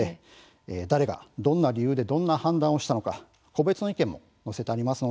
誰がどんな理由でどんな判断をしたのか個別の意見も載せてあります。